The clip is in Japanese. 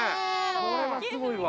これはすごいわ。